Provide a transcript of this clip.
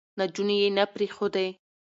نجونې يې نه پرېښودې،